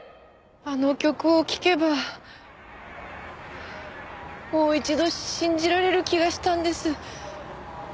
あの曲を聞けばもう一度信じられる気がしたんです。